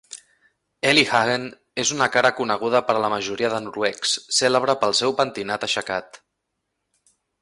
Eli Hagen és una cara coneguda per a la majoria de noruecs, cèlebre pel seu pentinat aixecat.